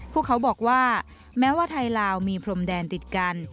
พวกเขาบอกว่าแม้ว่าไทยลาวมีพรมแดนติดกัน